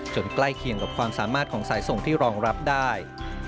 ใกล้เคียงกับความสามารถของสายส่งที่รองรับได้